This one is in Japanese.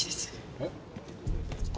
えっ？